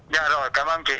dạ rồi cảm ơn chị